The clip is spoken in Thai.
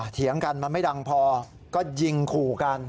เถียงกันมันไม่ดังพอก็ยิงขู่กัน